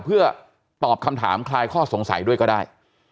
เพื่อตอบคำถามคลายข้อสงสัยด้วยก็ได้